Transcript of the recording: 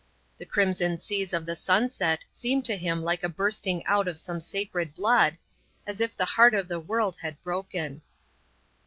The crimson seas of the sunset seemed to him like a bursting out of some sacred blood, as if the heart of the world had broken.